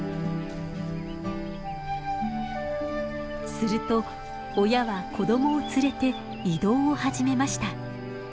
すると親は子供を連れて移動を始めました。